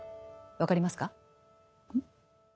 分かりますか？